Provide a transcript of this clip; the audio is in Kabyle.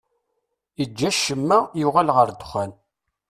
Iǧǧa ccemma, yuɣal ɣer ddexxan.